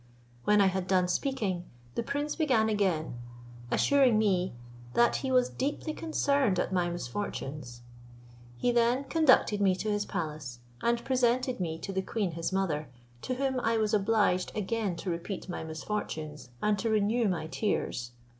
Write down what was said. When I had done speaking, the prince began again, assuring me that he was deeply concerned at my misfortunes. He then conducted me to his palace, and presented me to the queen his mother, to whom I was obliged again to repeat my misfortunes and to renew my tears.